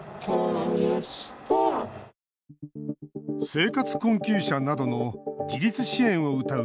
生活困窮者などの自立支援をうたう